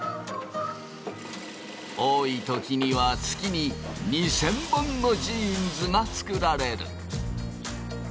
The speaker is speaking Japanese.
多い時には月に２，０００本のジーンズが作られる。